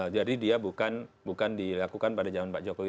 jadi dia bukan dilakukan pada zaman pak jokowi